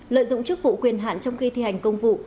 lợi dụng chức vụ quyền hạn trong khi thi hành công vụ